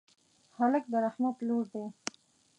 هلک د رحمت لور دی.